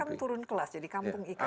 kalau ikan turun kelas jadi kampung ikan